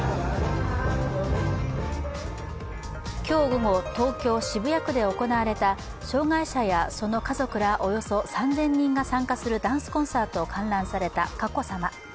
今日午後、東京・渋谷区で行われた障害者やその家族らおよそ３０００人が参加するダンスコンサートを観覧された佳子さま。